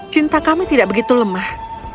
cinta kami tidak begitu lemah